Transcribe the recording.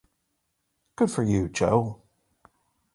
Good for you, Jo!